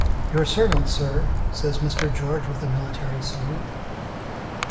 "Your servant, sir," says Mr. George with a military salute.